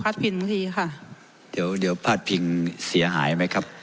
ภาพพินฯไม่ตรีค่ะเดี๋ยวเดี๋ยวภาพพินฯเสียหายไหมครับ